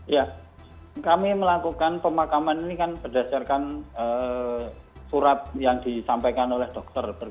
ya kami melakukan pemakaman ini kan berdasarkan surat yang disampaikan oleh dokter